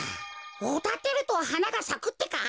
おだてるとはながさくってか？